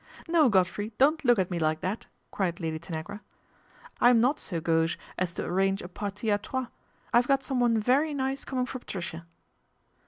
No, Godfrey, don't look at me like that," ied Lady Tanagra. " I am not so gauche as to range a parti a trois. I've got someone very ice coming for Patricia."